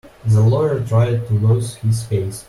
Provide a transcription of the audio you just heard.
The lawyer tried to lose his case.